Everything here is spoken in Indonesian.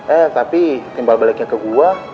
eh tapi timbal baliknya ke gua